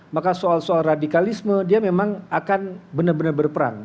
maka soal soal radikalisme dia memang akan benar benar berperang